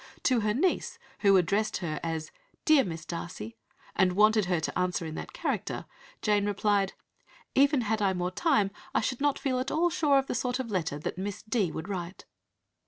To her niece who addressed her as "Dear Miss Darcy," and wanted her to answer in that character, Jane replied "Even had I more time I should not feel at all sure of the sort of letter that Miss D. would write."